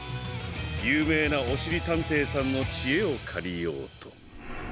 ゆうめいなおしりたんていさんのちえをかりようと。